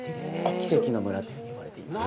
奇跡の村と呼ばれています。